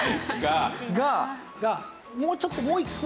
もうちょっともう１つ！